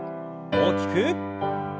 大きく。